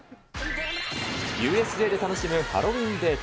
ＵＳＪで楽しむハロウィーンデート。